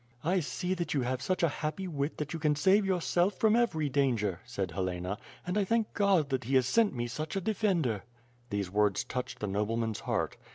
"I see that you have such a happy wit that you can save yourself from every danger," said Helena, "and I thank God that he has sent me such a defender." These words touched the nobleman's heart.